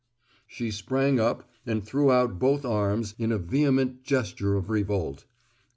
She sprang up and threw out both arms in a vehement gesture of revolt.